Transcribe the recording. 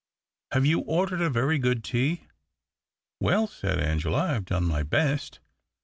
" Have you ordered a very good tea ?"" Well," said Angela, " I've done my best.